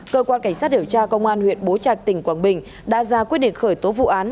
cơ quan cảnh sát điều tra công an huyện bố trạch tỉnh quảng bình đã ra quyết định khởi tố vụ án